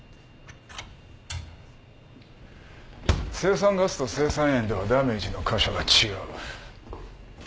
青酸ガスと青酸塩ではダメージの箇所が違う。